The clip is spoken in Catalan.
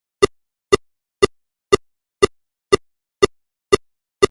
Si vas al bosc, no hi faces foc.